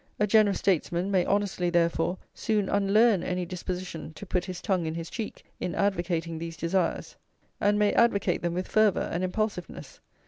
A generous statesman may [lv] honestly, therefore, soon unlearn any disposition to put his tongue in his cheek in advocating these desires, and may advocate them with fervour and impulsiveness.